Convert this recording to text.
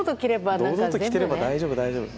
堂々と着てれば大丈夫、大丈夫。